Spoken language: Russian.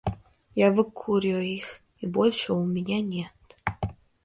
Я выкурю их, и больше у меня нет.